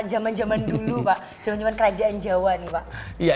jaman jaman kerajaan jawa nih pak